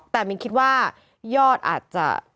แต่มินคิดว่ายอดอาจจะ